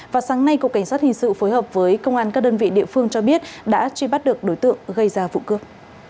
vào sáng nay cục cảnh sát hình sự phối hợp với công an các đơn vị địa phương cho biết đã truy bắt được đối tượng gây ra vụ cướp